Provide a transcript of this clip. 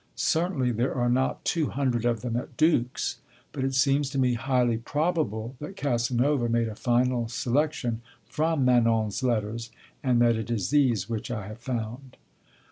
Certainly there are not two hundred of them at Dux, but it seems to me highly probable that Casanova made a final selection from Manon's letters, and that it is these which I have found.